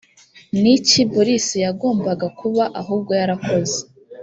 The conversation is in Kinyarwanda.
ni iki boris yagombaga kuba ahubwo yarakoze?